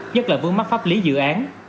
nhất là vướng mắc pháp lý dự án